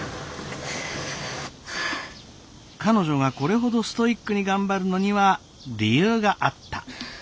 彼女がこれほどストイックに頑張るのには理由があった。